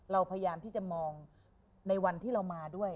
เราพยายามที่จะมองในวันที่เรามาด้วย